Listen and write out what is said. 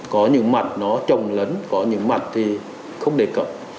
có những mặt nó trồng lấn có những mặt thì không đề cập